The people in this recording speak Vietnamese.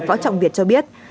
võ trọng việt cho biết